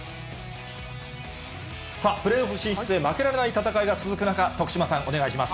プレーオフ進出へ負けられない戦いが続く中、徳島さん、お願いします。